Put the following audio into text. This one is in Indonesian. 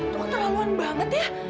tuh terlaluan banget ya